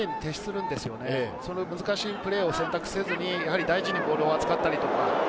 そんなに難しいプレーを選択せずに大事にボールを扱って。